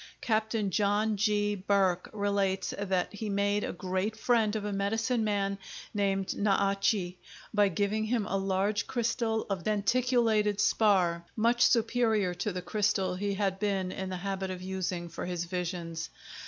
Capt. John G. Burke relates that he made a great friend of a medicine man named Na a che by giving him a large crystal of denticulated spar, much superior to the crystal he had been in the habit of using for his visions.